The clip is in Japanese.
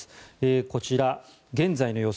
こちら、現在の様子